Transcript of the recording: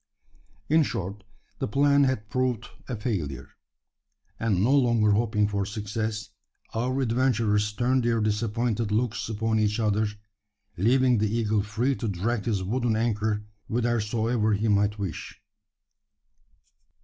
In short, the plan had proved a failure; and, no longer hoping for success, our adventurers turned their disappointed looks upon each other leaving the eagle free to drag his wooden anchor whithersoever he might wish.